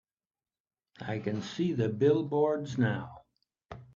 I can see the billboards now.